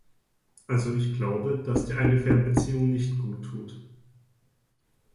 Also ich glaube, dass dir eine Fernbeziehung nicht gut tut.